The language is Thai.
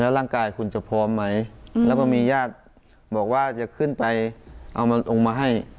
ร่างกายคุณจะพร้อมไหมแล้วก็มีญาติบอกว่าจะขึ้นไปเอามันลงมาให้